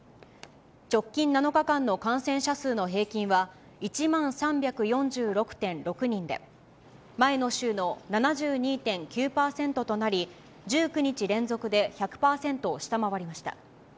直近７日間の感染者数の平均は１万３４６．６人で、前の週の７２．９％となり、１９日連続で１００％を下回りました。